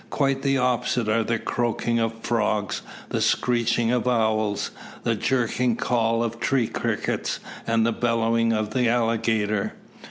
Quite the opposite are the croaking of frogs, the screeching of owls, the jerking call of tree crickets, and the bellowing of the alligator.